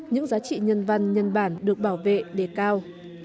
những giá trị nhân văn nhân bản được bảo vệ đề cao